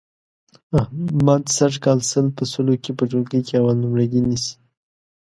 احمد سږ کال سل په سلو کې په ټولګي کې اول نمرګي نیسي.